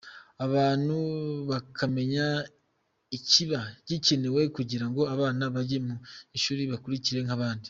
Abantu bakamenya ikiba gikenewe kugira ngo abana bajye mu ishuri bakurikire nk’abandi.